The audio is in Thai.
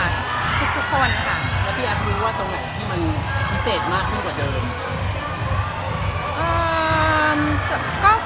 แล้วพี่อันรู้ว่าตรงเนี่ยที่มันพิเศษมากขึ้นกว่าเดิม